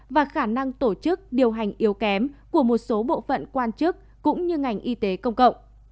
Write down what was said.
và khả năng tổ chức điều hành yếu kém của một số bộ phận quan chức cũng như ngành y tế công cộng